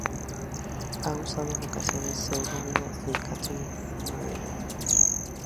Ha usado en ocasiones el pseudónimo de Katharine Marlowe.